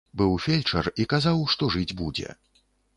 Быў фельчар і казаў, што жыць будзе.